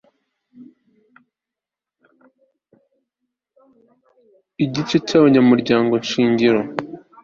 igice cya abanyamuryango shingiro